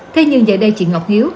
thay như dạy đây chị ngọc hiếu